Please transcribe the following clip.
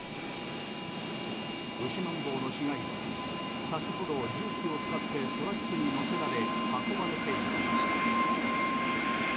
ウシマンボウの死骸は先ほど重機を使ってトラックに載せられ運ばれて行きました。